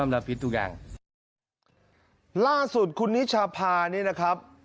ล่าสุดคุณนิสชาภานี่นะครับ